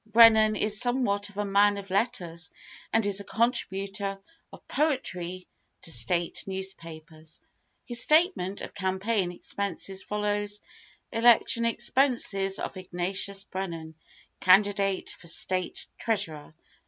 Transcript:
Brennan is somewhat of a man of letters and is a contributor of poetry to State newspapers. His statement of campaign expenses follows: ELECTION EXPENSES OF IGNATIUS BRENNAN, CAN¬ DIDATE FOR STATE TREASURER.